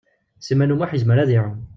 Sliman U Muḥ yezmer ad iɛum.